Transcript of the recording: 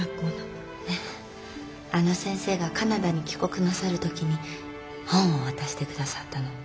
あの先生がカナダに帰国なさる時に本を渡して下さったの。